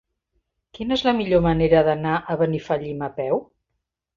Quina és la millor manera d'anar a Benifallim a peu?